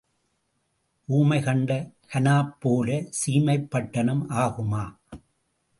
ஊமை கண்ட கனாப்போலச் சீமைப் பட்டணம் ஆகுமா?